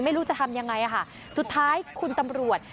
ไม่รู้จะทำยังไงค่ะสุดท้ายคุณตำรวจ